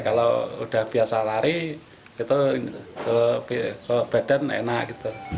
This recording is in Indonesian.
kalau sudah biasa lari ke badan enak